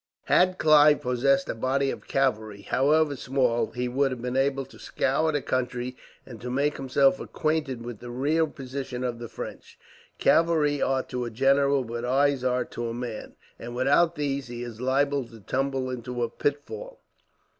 Had Clive possessed a body of cavalry, however small, he would have been able to scour the country, and to make himself acquainted with the real position of the French. Cavalry are to a general what eyes are to a man, and without these he is liable to tumble into a pitfall.